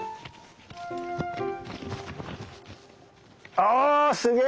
ああすげえ！